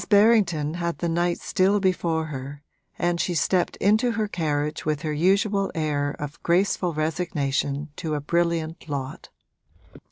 Berrington had the night still before her, and she stepped into her carriage with her usual air of graceful resignation to a brilliant lot.